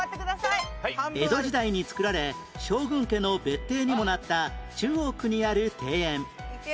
江戸時代に造られ将軍家の別邸にもなった中央区にある庭園